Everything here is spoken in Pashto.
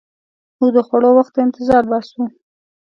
موږ د خوړو وخت ته انتظار باسو.